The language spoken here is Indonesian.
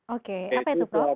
oke apa itu prof